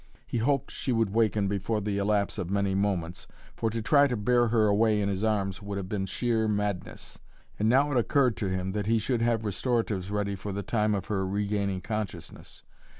He hoped she would waken before the elapse of many moments, for to try to bear her away in his arms would have been sheer madness. And now it occurred to him that he should have restoratives ready for the time of her regaining consciousness.